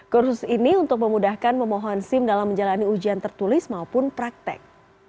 kursus ini untuk memudahkan pemohon sim dalam menjalani ujian tertulis maupun praktik